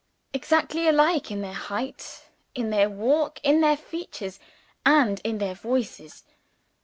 Exactly alike in their height, in their walk, in their features, and in their voices.